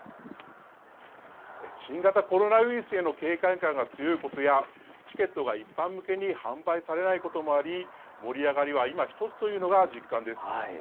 新型コロナウイルスへの警戒感が強いことや、チケットが一般向けに販売されないこともあり、盛り上がりはいまひとつというのが実感です。